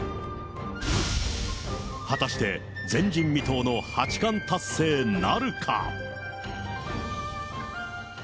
果たして前人未到の八冠達成なるか。